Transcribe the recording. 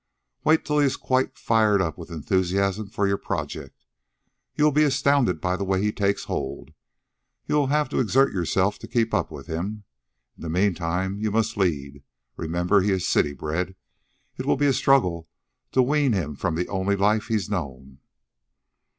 Wait till he is quite fired with enthusiasm for your project. You will be astounded by the way he takes hold. You will have to exert yourself to keep up with him. In the meantime, you must lead. Remember, he is city bred. It will be a struggle to wean him from the only life he's known."